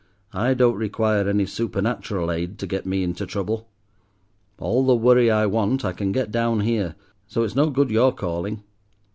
I don't require any supernatural aid to get me into trouble. All the worry I want I can get down here, so it's no good your calling.